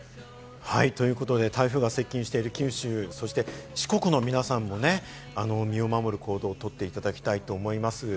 台風が接近している九州、そして四国の皆さんもね、身を守る行動をとっていただきたいと思います。